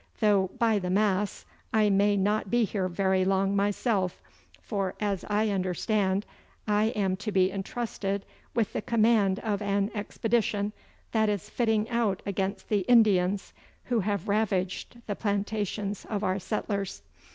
though, by the Mass, I may not be here very long myself, for, as I understand, I am to be entrusted with the command of an expedition that is fitting out against the Indians, who have ravaged the plantations of our settlers.